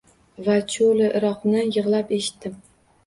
Va «Cho’li iroq»ni yig’lab eshitdim.